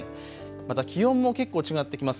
また気温も結構違ってきます。